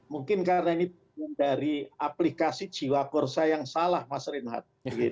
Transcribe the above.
mungkin karena ini dari aplikasi jiwa kursa yang salah mas rinyad